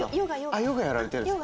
あっヨガやられてるんですか。